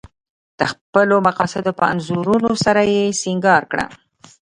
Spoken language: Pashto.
د خپلو مقدساتو په انځورونو سره یې سنګار کړه.